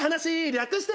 略して。